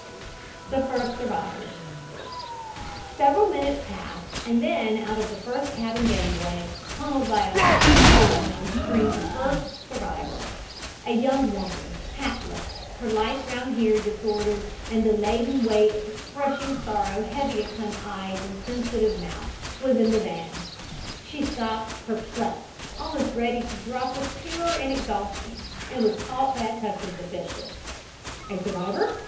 THE FIRST SURVIVORS Several minutes passed and then out of the first cabin gangway; tunneled by a somber awning, streamed the first survivors. A young woman, hatless, her light brown hair disordered and the leaden weight of crushing sorrow heavy upon eyes and sensitive mouth, was in the van. She stopped, perplexed, almost ready to drop with terror and exhaustion, and was caught by a customs official. "A survivor?"